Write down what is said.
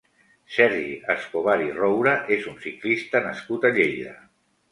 Sergi Escobar i Roure és un ciclista nascut a Lleida.